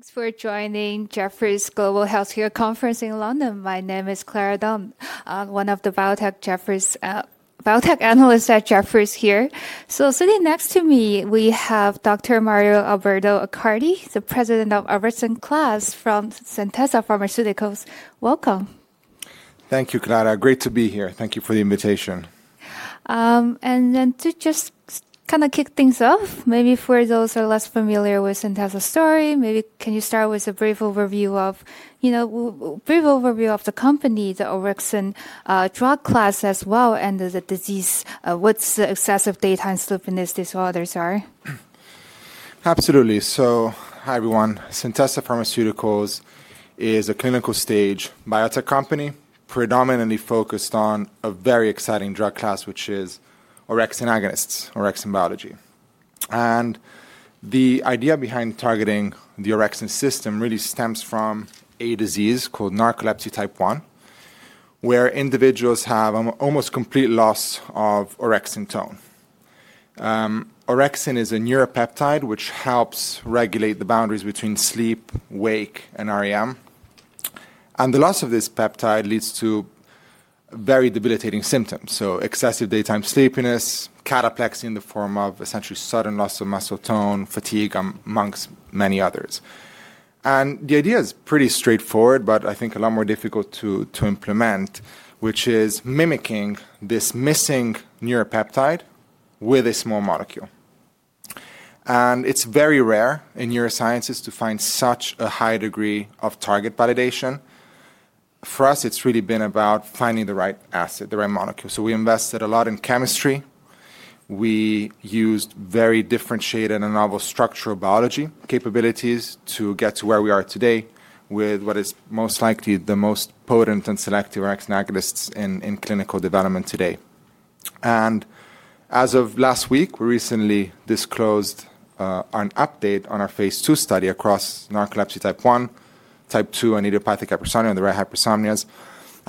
Thanks for joining Jefferies Global Healthcare Conference in London. My name is Clara Dong, one of the biotech analysts at Jefferies here. Sitting next to me, we have Dr. Mario Alberto Accardi, the President of Orexin Class from Centessa Pharmaceuticals. Welcome. Thank you, Clara. Great to be here. Thank you for the invitation. To just kind of kick things off, maybe for those who are less familiar with Centessa's story, maybe can you start with a brief overview of, you know, brief overview of the company, the orexin drug class as well, and the disease, what the excessive daytime sleepiness disorders are? Absolutely. Hi, everyone. Centessa Pharmaceuticals is a clinical-stage biotech company predominantly focused on a very exciting drug class, which is orexin agonists, orexin biology. The idea behind targeting the orexin system really stems from a disease called narcolepsy type 1, where individuals have almost complete loss of orexin tone. Orexin is a neuropeptide which helps regulate the boundaries between sleep, wake, and REM. The loss of this peptide leads to very debilitating symptoms, so excessive daytime sleepiness, cataplexy in the form of essentially sudden loss of muscle tone, fatigue, amongst many others. The idea is pretty straightforward, but I think a lot more difficult to implement, which is mimicking this missing neuropeptide with a small molecule. It is very rare in neurosciences to find such a high degree of target validation. For us, it has really been about finding the right acid, the right molecule. We invested a lot in chemistry. We used very differentiated and novel structural biology capabilities to get to where we are today with what is most likely the most potent and selective orexin agonists in clinical development today. As of last week, we recently disclosed an update on our phase two study across narcolepsy type 1, type 2, and idiopathic hypersomnia, on the rare hypersomnias.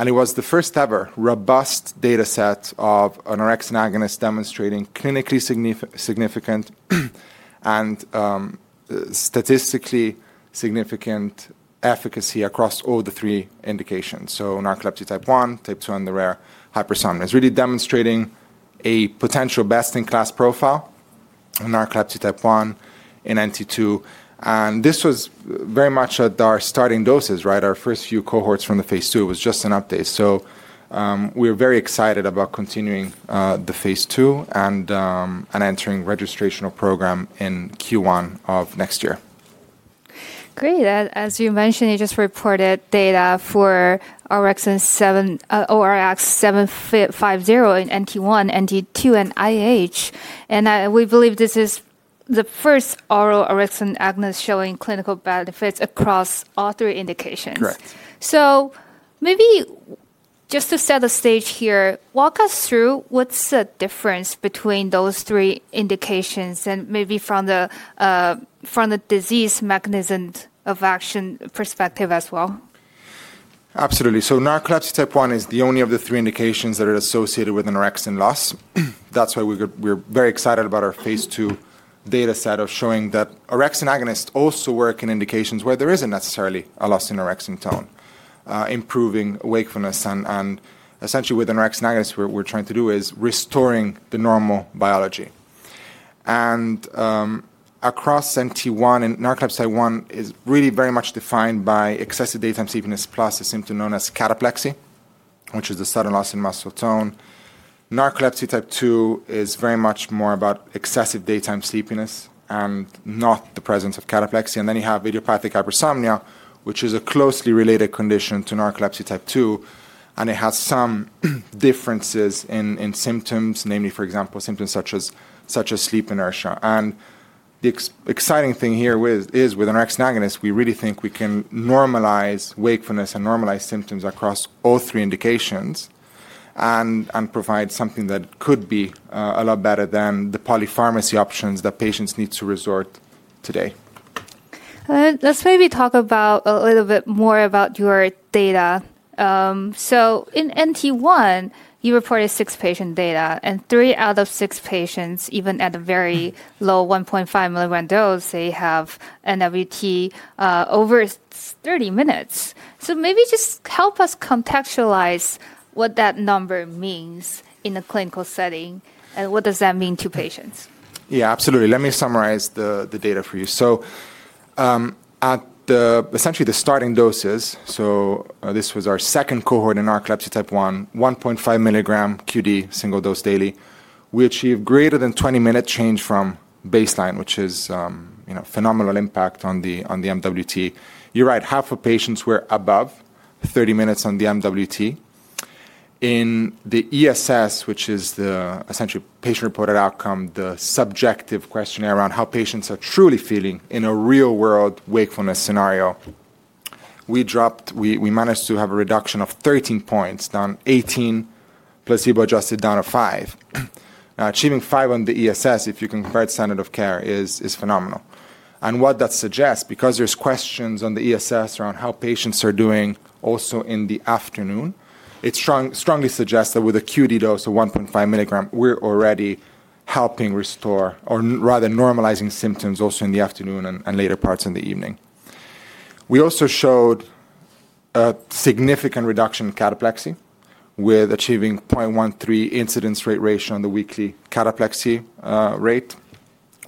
It was the first ever robust data set of an orexin agonist demonstrating clinically significant and statistically significant efficacy across all three indications: narcolepsy type 1, type 2, and the rare hypersomnia. It is really demonstrating a potential best-in-class profile in narcolepsy type 1, in NT2. This was very much at our starting doses, right? Our first few cohorts from the phase two was just an update. We're very excited about continuing the phase two and entering registration program in Q1 of next year. Great. As you mentioned, you just reported data for ORX750 in NT1, NT2, and IH. We believe this is the first oral orexin agonist showing clinical benefits across all three indications. Correct. Maybe just to set the stage here, walk us through what's the difference between those three indications and maybe from the disease mechanism of action perspective as well. Absolutely. Narcolepsy type 1 is the only of the three indications that are associated with an orexin loss. That's why we're very excited about our phase two data set of showing that orexin agonists also work in indications where there isn't necessarily a loss in orexin tone, improving wakefulness. Essentially, with an orexin agonist, what we're trying to do is restoring the normal biology. Across NT1, narcolepsy type 1 is really very much defined by excessive daytime sleepiness plus a symptom known as cataplexy, which is the sudden loss in muscle tone. Narcolepsy type 2 is very much more about excessive daytime sleepiness and not the presence of cataplexy. You have idiopathic hypersomnia, which is a closely related condition to narcolepsy type 2. It has some differences in symptoms, namely, for example, symptoms such as sleep inertia. The exciting thing here is with an orexin agonist, we really think we can normalize wakefulness and normalize symptoms across all three indications and provide something that could be a lot better than the polypharmacy options that patients need to resort to today. Let's maybe talk a little bit more about your data. In NT1, you reported six patient data, and three out of six patients, even at a very low 1.5 mg dose, they have MWT over 30 minutes. Maybe just help us contextualize what that number means in a clinical setting and what does that mean to patients. Yeah, absolutely. Let me summarize the data for you. At essentially the starting doses, this was our second cohort in narcolepsy type 1, 1.5 mg QD, single dose daily, we achieved greater than 20 minute change from baseline, which is a phenomenal impact on the MWT. You're right, half of patients were above 30 minutes on the MWT. In the ESS, which is the essentially patient-reported outcome, the subjective questionnaire around how patients are truly feeling in a real-world wakefulness scenario, we dropped, we managed to have a reduction of 13 points, down 18 placebo-adjusted, down of five. Now, achieving five on the ESS, if you can compare it to standard of care, is phenomenal. What that suggests, because there are questions on the ESS around how patients are doing also in the afternoon, it strongly suggests that with a QD dose of 1.5 mg, we are already helping restore or rather normalizing symptoms also in the afternoon and later parts in the evening. We also showed a significant reduction in cataplexy with achieving 0.13 incidence rate ratio on the weekly cataplexy rate,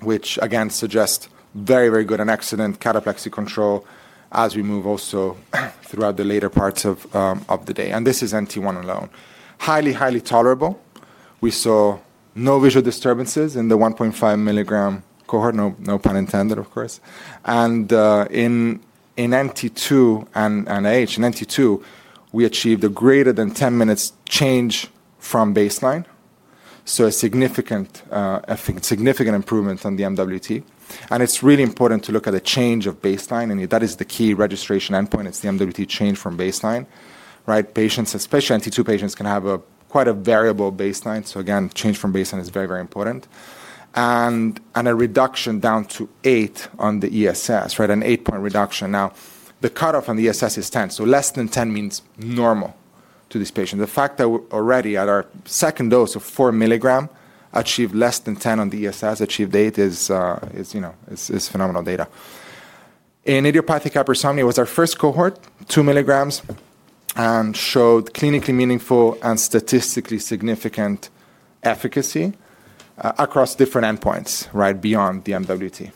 which again suggests very, very good and excellent cataplexy control as we move also throughout the later parts of the day. This is NT1 alone. Highly, highly tolerable. We saw no visual disturbances in the 1.5 mg cohort, no pun intended, of course. In NT2 and IH, in NT2, we achieved a greater than 10 minutes change from baseline. A significant improvement on the MWT. It is really important to look at the change of baseline. That is the key registration endpoint. It is the MWT change from baseline, right? Patients, especially NT2 patients, can have quite a variable baseline. Again, change from baseline is very, very important. A reduction down to eight on the ESS, right? An eight-point reduction. Now, the cutoff on the ESS is 10. Less than 10 means normal to this patient. The fact that already at our second dose of 4 mg achieved less than 10 on the ESS, achieved eight, is phenomenal data. In idiopathic hypersomnia, it was our first cohort, 2 mg, and showed clinically meaningful and statistically significant efficacy across different endpoints, right, beyond the MWT.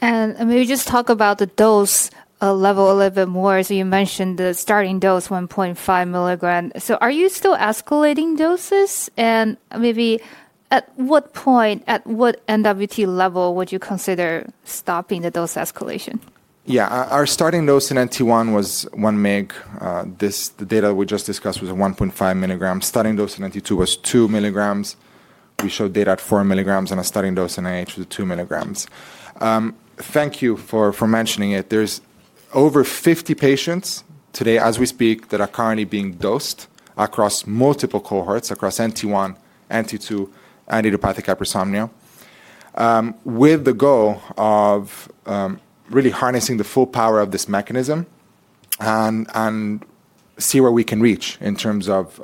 Maybe just talk about the dose level a little bit more. You mentioned the starting dose, 1.5 mg. Are you still escalating doses? At what point, at what MWT level would you consider stopping the dose escalation? Yeah, our starting dose in NT1 was 1 mg. The data we just discussed was 1.5 mg. Starting dose in NT2 was 2 mg. We showed data at 4 mg and a starting dose in IH was 2 mg. Thank you for mentioning it. There are over 50 patients today as we speak that are currently being dosed across multiple cohorts across NT1, NT2, and idiopathic hypersomnia with the goal of really harnessing the full power of this mechanism and seeing where we can reach in terms of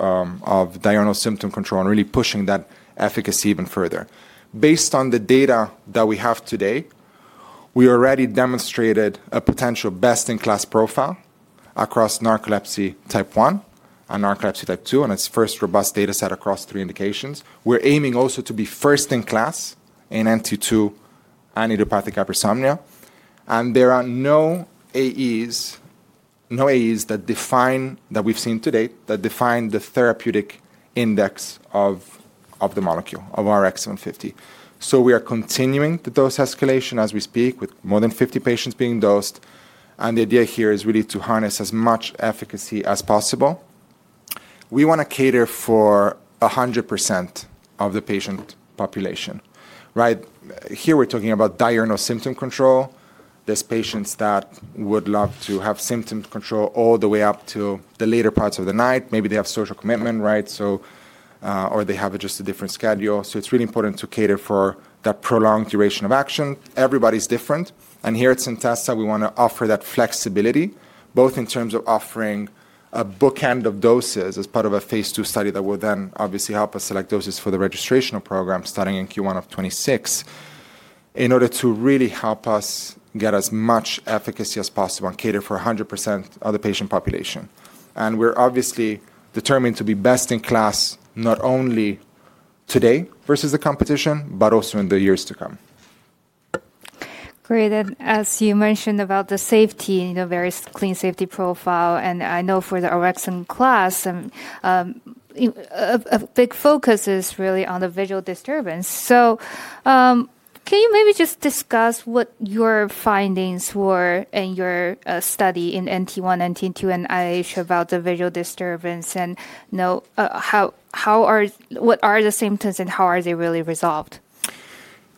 diurnal symptom control and really pushing that efficacy even further. Based on the data that we have today, we already demonstrated a potential best-in-class profile across narcolepsy type 1 and narcolepsy type 2 on its first robust data set across three indications. We are aiming also to be first in class in NT2 and idiopathic hypersomnia. There are no AEs, no AEs that we've seen to date that define the therapeutic index of the molecule of ORX150. We are continuing the dose escalation as we speak with more than 50 patients being dosed. The idea here is really to harness as much efficacy as possible. We want to cater for 100% of the patient population, right? Here we're talking about diurnal symptom control. There are patients that would love to have symptom control all the way up to the later parts of the night. Maybe they have social commitment, right? Or they have just a different schedule. It is really important to cater for that prolonged duration of action. Everybody's different. Here at Centessa, we want to offer that flexibility, both in terms of offering a bookend of doses as part of a phase two study that will then obviously help us select doses for the registration program starting in Q1 of 2026 in order to really help us get as much efficacy as possible and cater for 100% of the patient population. We are obviously determined to be best in class not only today versus the competition, but also in the years to come. Great. As you mentioned about the safety, the various clean safety profile, and I know for the orexin class, a big focus is really on the visual disturbance. Can you maybe just discuss what your findings were in your study in NT1, NT2, and IH about the visual disturbance and what are the symptoms and how are they really resolved?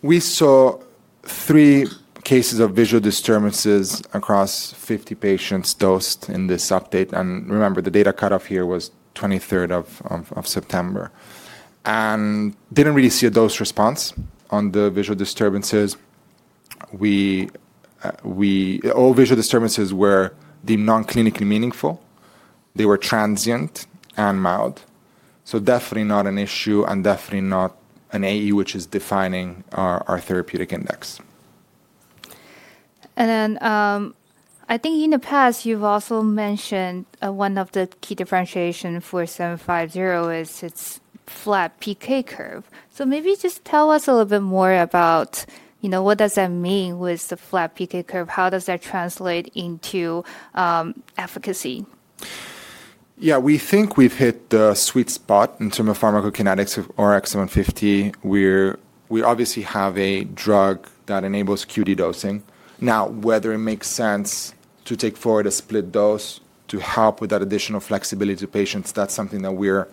We saw three cases of visual disturbances across 50 patients dosed in this update. Remember, the data cutoff here was 23rd of September. We did not really see a dose response on the visual disturbances. All visual disturbances were deemed non-clinically meaningful. They were transient and mild. Definitely not an issue and definitely not an AE, which is defining our therapeutic index. I think in the past, you've also mentioned one of the key differentiations for ORX750 is its flat PK curve. Maybe just tell us a little bit more about what does that mean with the flat PK curve. How does that translate into efficacy? Yeah, we think we've hit the sweet spot in terms of pharmacokinetics of ORX150. We obviously have a drug that enables QD dosing. Now, whether it makes sense to take forward a split dose to help with that additional flexibility to patients, that's something that we're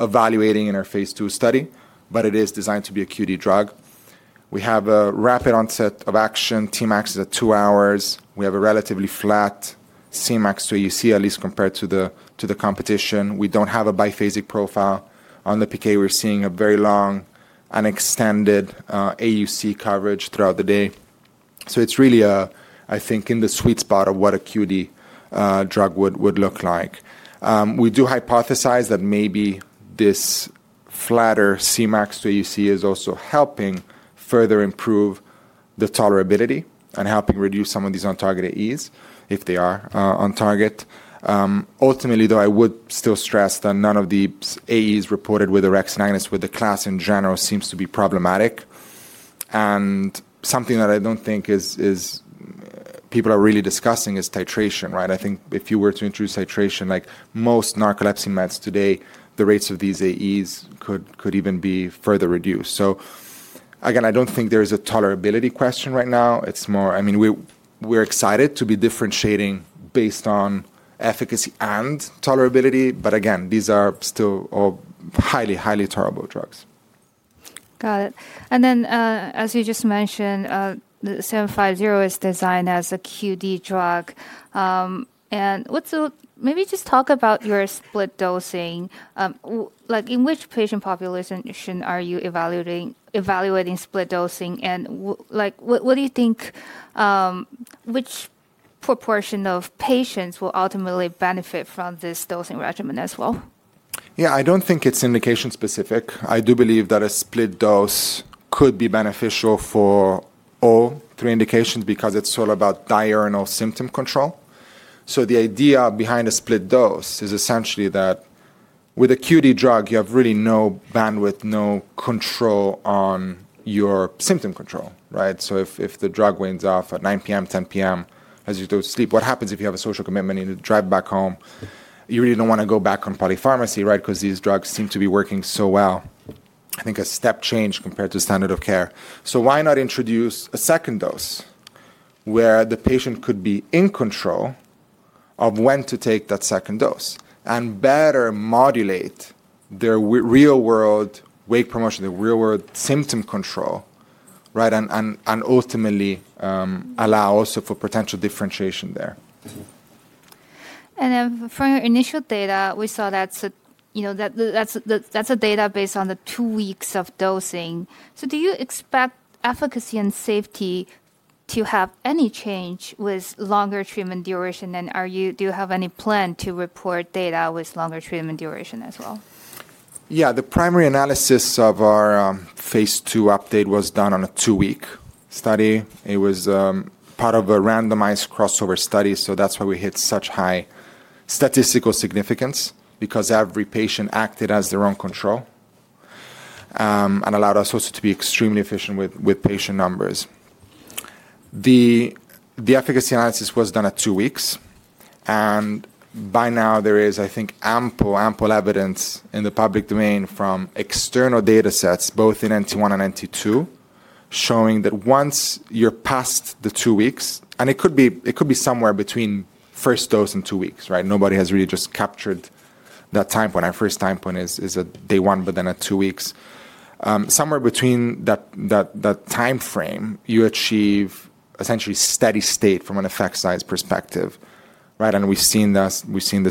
evaluating in our phase two study, but it is designed to be a QD drug. We have a rapid onset of action, Tmax is at two hours. We have a relatively flat Cmax, so you see at least compared to the competition. We don't have a biphasic profile. On the PK, we're seeing a very long and extended AUC coverage throughout the day. It is really, I think, in the sweet spot of what a QD drug would look like. We do hypothesize that maybe this flatter Cmax, so you see, is also helping further improve the tolerability and helping reduce some of these untargeted AEs if they are untargeted. Ultimately, though, I would still stress that none of the AEs reported with orexin agonists with the class in general seems to be problematic. Something that I do not think people are really discussing is titration, right? I think if you were to introduce titration, like most narcolepsy meds today, the rates of these AEs could even be further reduced. Again, I do not think there is a tolerability question right now. It is more, I mean, we are excited to be differentiating based on efficacy and tolerability. Again, these are still all highly, highly tolerable drugs. Got it. As you just mentioned, the ORX750 is designed as a QD drug. Maybe just talk about your split dosing. In which patient population are you evaluating split dosing? What do you think, which proportion of patients will ultimately benefit from this dosing regimen as well? Yeah, I don't think it's indication specific. I do believe that a split dose could be beneficial for all three indications because it's all about diurnal symptom control. The idea behind a split dose is essentially that with a QD drug, you have really no bandwidth, no control on your symptom control, right? If the drug winds off at 9:00 P.M., 10:00 P.M., as you go to sleep, what happens if you have a social commitment and you drive back home? You really don't want to go back on polypharmacy, right? Because these drugs seem to be working so well. I think a step change compared to standard of care. Why not introduce a second dose where the patient could be in control of when to take that second dose and better modulate their real-world wake promotion, their real-world symptom control, right? Ultimately allow also for potential differentiation there. From your initial data, we saw that's a data based on the two weeks of dosing. Do you expect efficacy and safety to have any change with longer treatment duration? Do you have any plan to report data with longer treatment duration as well? Yeah, the primary analysis of our phase two update was done on a two-week study. It was part of a randomized crossover study. That is why we hit such high statistical significance because every patient acted as their own control and allowed us also to be extremely efficient with patient numbers. The efficacy analysis was done at two weeks. By now, there is, I think, ample evidence in the public domain from external data sets, both in NT1 and NT2, showing that once you are past the two weeks, and it could be somewhere between first dose and two weeks, right? Nobody has really just captured that time point. Our first time point is at day one, but then at two weeks. Somewhere between that time frame, you achieve essentially steady state from an effect size perspective, right? We have seen this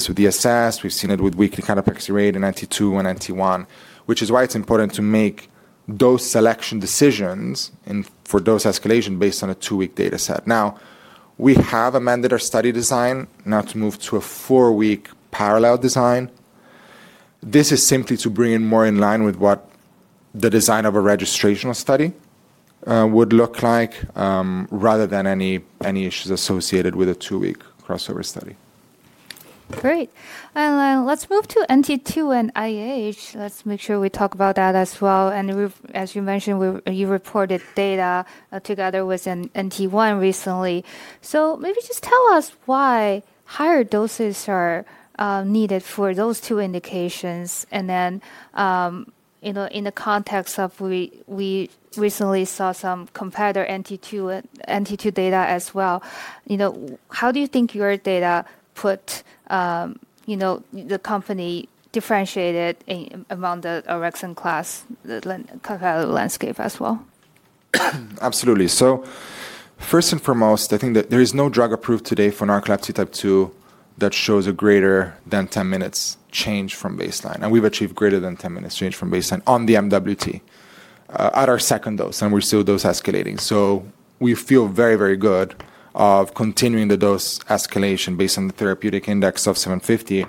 with ESS. We've seen it with weekly cataplexy rate in NT2 and NT1, which is why it's important to make dose selection decisions for dose escalation based on a two-week data set. Now, we have amended our study design now to move to a four-week parallel design. This is simply to bring it more in line with what the design of a registrational study would look like rather than any issues associated with a two-week crossover study. Great. Let's move to NT2 and IH. Let's make sure we talk about that as well. As you mentioned, you reported data together with NT1 recently. Maybe just tell us why higher doses are needed for those two indications. In the context of we recently saw some competitor NT2 data as well, how do you think your data put the company differentiated among the orexin class comparative landscape as well? Absolutely. First and foremost, I think that there is no drug approved today for narcolepsy type 2 that shows a greater than 10 minutes change from baseline. We have achieved greater than 10 minutes change from baseline on the MWT at our second dose. We are still dose escalating. We feel very, very good about continuing the dose escalation based on the therapeutic index of ORX750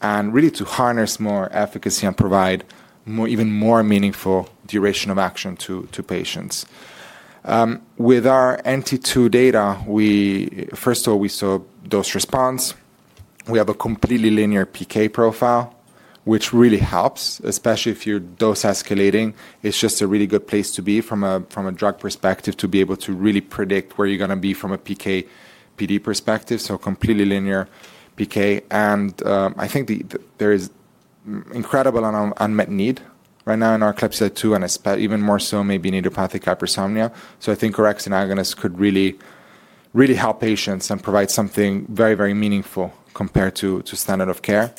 and really to harness more efficacy and provide even more meaningful duration of action to patients. With our NT2 data, first of all, we saw dose response. We have a completely linear PK profile, which really helps, especially if you are dose escalating. It is just a really good place to be from a drug perspective to be able to really predict where you are going to be from a PK/PD perspective. Completely linear PK. I think there is incredible unmet need right now in narcolepsy type 2 and even more so maybe in idiopathic hypersomnia. I think orexin agonists could really, really help patients and provide something very, very meaningful compared to standard of care.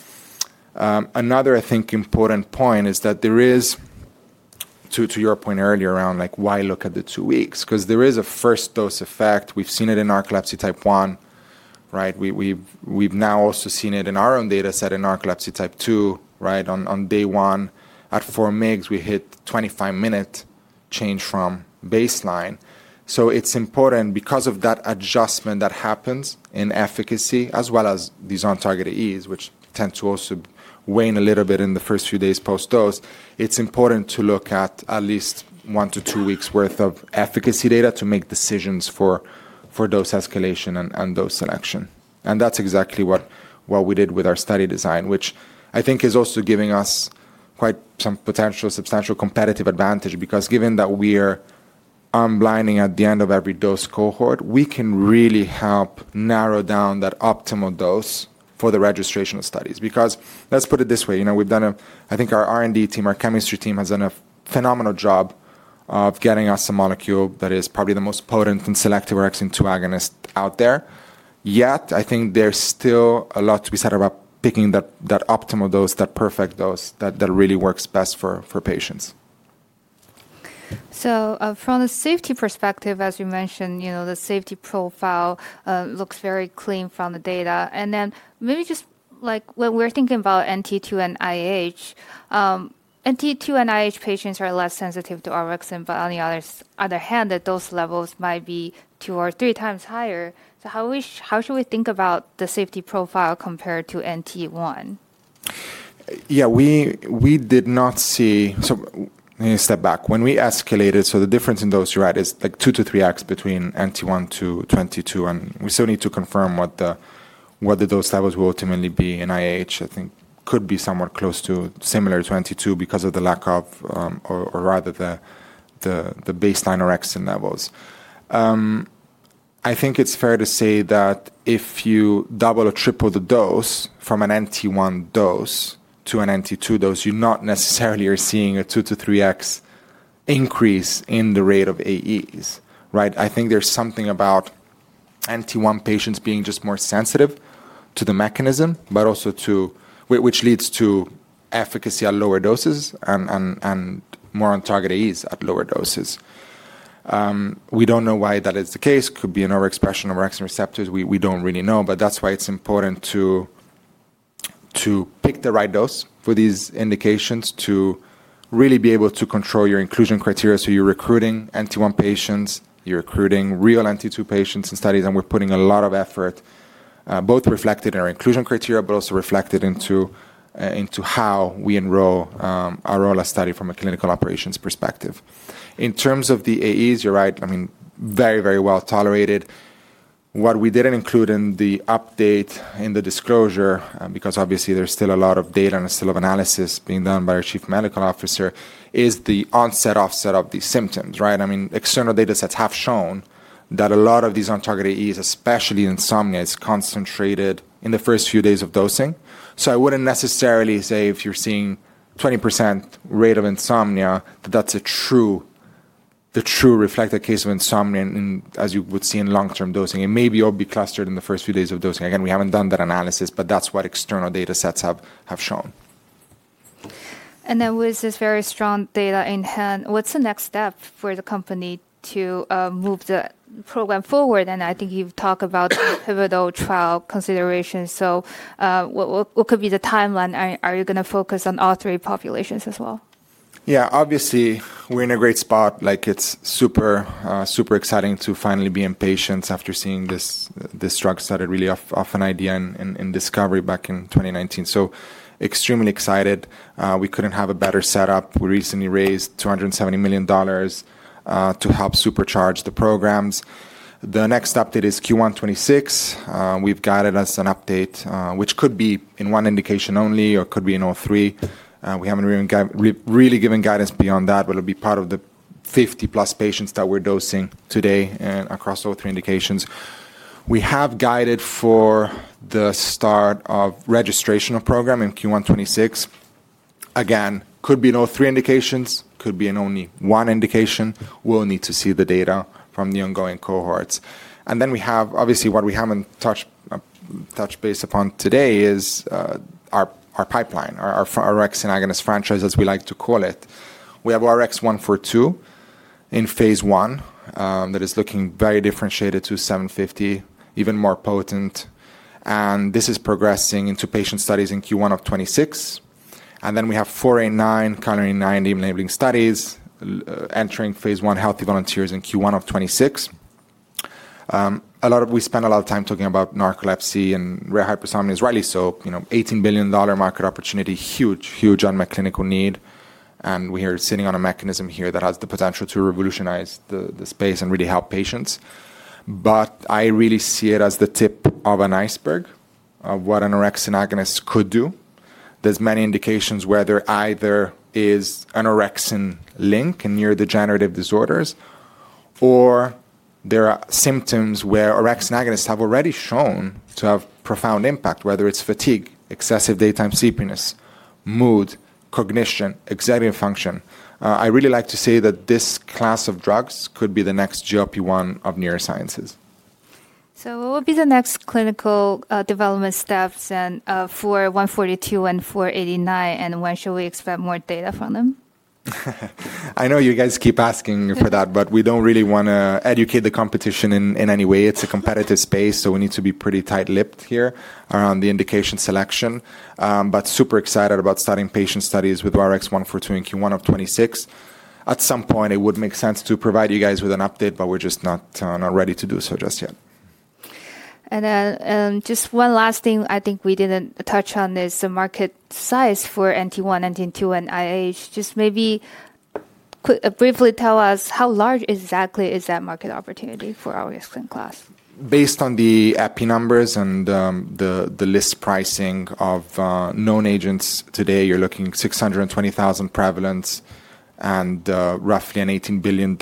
Another, I think, important point is that there is, to your point earlier around why look at the two weeks? There is a first dose effect. We've seen it in narcolepsy type 1, right? We've now also seen it in our own data set in narcolepsy type 2, right? On day one, at 4 mg, we hit 25-minute change from baseline. It is important because of that adjustment that happens in efficacy as well as these untargeted AEs, which tend to also wane a little bit in the first few days post-dose. It's important to look at at least one to two weeks' worth of efficacy data to make decisions for dose escalation and dose selection. That's exactly what we did with our study design, which I think is also giving us quite some potential substantial competitive advantage because given that we are unblinding at the end of every dose cohort, we can really help narrow down that optimal dose for the registration studies. Let's put it this way. We've done, I think our R&D team, our chemistry team has done a phenomenal job of getting us a molecule that is probably the most potent and selective orexin two agonist out there. Yet I think there's still a lot to be said about picking that optimal dose, that perfect dose that really works best for patients. From the safety perspective, as you mentioned, the safety profile looks very clean from the data. Maybe just when we're thinking about NT2 and IH, NT2 and IH patients are less sensitive to orexin, but on the other hand, the dose levels might be two or three times higher. How should we think about the safety profile compared to NT1? Yeah, we did not see, so let me step back. When we escalated, the difference in dose, right, is like 2-3x between NT1 to NT2. We still need to confirm what the dose levels will ultimately be. IH, I think, could be somewhere close to similar to NT2 because of the lack of, or rather the baseline orexin levels. I think it's fair to say that if you double or triple the dose from an NT1 dose to an NT2 dose, you not necessarily are seeing a 2-3x increase in the rate of AEs, right? I think there's something about NT1 patients being just more sensitive to the mechanism, but also which leads to efficacy at lower doses and more untargeted AEs at lower doses. We don't know why that is the case. It could be an overexpression of orexin receptors. We do not really know. That is why it is important to pick the right dose for these indications to really be able to control your inclusion criteria. You are recruiting NT1 patients, you are recruiting real NT2 patients in studies, and we are putting a lot of effort both reflected in our inclusion criteria, but also reflected in how we enroll our role as study from a clinical operations perspective. In terms of the AEs, you are right, I mean, very, very well tolerated. What we did not include in the update in the disclosure, because obviously there is still a lot of data and a lot of analysis being done by our Chief Medical Officer, is the onset offset of these symptoms, right? I mean, external data sets have shown that a lot of these untargeted AEs, especially insomnia, is concentrated in the first few days of dosing. I wouldn't necessarily say if you're seeing 20% rate of insomnia, that that's the true reflected case of insomnia as you would see in long-term dosing. It may all be clustered in the first few days of dosing. Again, we haven't done that analysis, but that's what external data sets have shown. With this very strong data in hand, what's the next step for the company to move the program forward? I think you've talked about the pivotal trial consideration. What could be the timeline? Are you going to focus on all three populations as well? Yeah, obviously we're in a great spot. It's super exciting to finally be in patients after seeing this drug started really off an idea and discovery back in 2019. So extremely excited. We couldn't have a better setup. We recently raised $270 million to help supercharge the programs. The next update is Q1 2026. We've guided us an update, which could be in one indication only or could be in all three. We haven't really given guidance beyond that, but it'll be part of the 50-plus patients that we're dosing today across all three indications. We have guided for the start of registration of program in Q1 2026. Again, could be in all three indications, could be in only one indication. We'll need to see the data from the ongoing cohorts. Obviously, what we have not touched base upon today is our pipeline, our orexin agonist franchise, as we like to call it. We have ORX142 in phase I that is looking very differentiated to ORX750, even more potent. This is progressing into patient studies in Q1 of 2026. We have ORX489, candidate enabling studies entering phase I healthy volunteers in Q1 of 2026. We spend a lot of time talking about narcolepsy and rare hypersomnias, rightly so. $18 billion market opportunity, huge, huge unmet clinical need. We are sitting on a mechanism here that has the potential to revolutionize the space and really help patients. I really see it as the tip of an iceberg of what an orexin agonist could do. There's many indications where there either is an orexin link in neurodegenerative disorders, or there are symptoms where orexin agonists have already shown to have profound impact, whether it's fatigue, excessive daytime sleepiness, mood, cognition, executive function. I really like to say that this class of drugs could be the next GLP-1 of neurosciences. What will be the next clinical development steps for ORX142 and ORX489, and when should we expect more data from them? I know you guys keep asking for that, but we do not really want to educate the competition in any way. It is a competitive space, so we need to be pretty tight-lipped here around the indication selection. Super excited about starting patient studies with ORX142 in Q1 of 2026. At some point, it would make sense to provide you guys with an update, but we are just not ready to do so just yet. Just one last thing I think we didn't touch on is the market size for NT1, NT2, and IH. Just maybe briefly tell us how large exactly is that market opportunity for orexin class? Based on the EPI numbers and the list pricing of known agents today, you're looking at 620,000 prevalence and roughly an $18 billion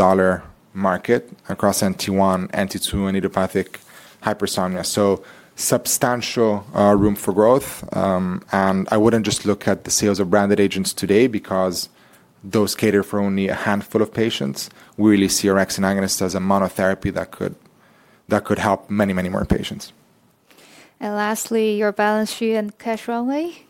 market across NT1, NT2, and idiopathic hypersomnia. There is substantial room for growth. I wouldn't just look at the sales of branded agents today because those cater for only a handful of patients. We really see orexin agonists as a monotherapy that could help many, many more patients. Lastly, your balance sheet and cash runway?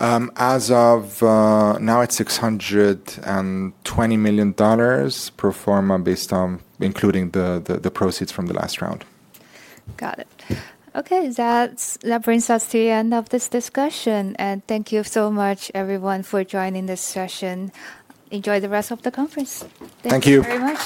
As of now, it's $620 million proforma based on including the proceeds from the last round. Got it. Okay, that brings us to the end of this discussion. Thank you so much, everyone, for joining this session. Enjoy the rest of the conference. Thank you. Thank you very much.